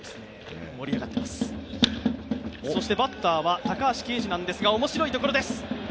バッターは高橋奎二なんですが、面白いところです。